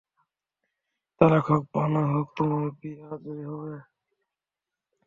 তালাক হোক বা না হোক, তোমার বিয়ে আজই হবে।